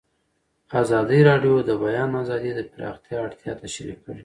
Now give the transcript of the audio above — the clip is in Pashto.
ازادي راډیو د د بیان آزادي د پراختیا اړتیاوې تشریح کړي.